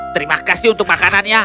terima kasih untuk makanannya